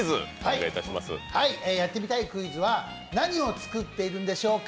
やってみたいクイズは「何を作ってるんでしょうか？